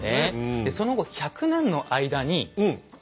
でその後１００年の間に。